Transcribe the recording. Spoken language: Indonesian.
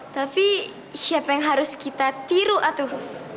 tapi siapa yang harus kita tiru atuh